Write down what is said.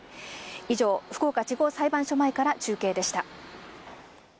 以上、福岡地方裁判所前から中継でした。